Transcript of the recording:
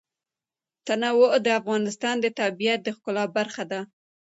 تنوع د افغانستان د طبیعت د ښکلا برخه ده.